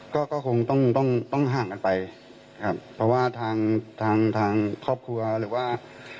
ก็ก็คงต้องต้องห่างกันไปครับเพราะว่าทางทางครอบครัวหรือว่า